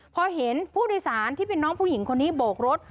พอเห็นผู้โดยสารที่เป็นน้องผู้หญิงคนนี้โบกรถ